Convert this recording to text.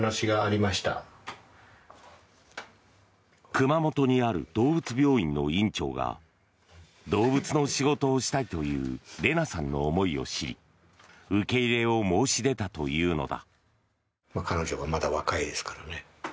熊本にある動物病院の院長が動物の仕事をしたいというレナさんの思いを知り受け入れを申し出たというのだ。